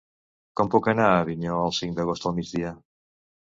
Com puc anar a Avinyó el cinc d'agost al migdia?